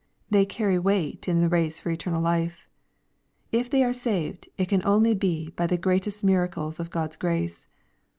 They carry weight in the race for eternal life. If they are saved, it can only be by the greatest miracles of God's grace.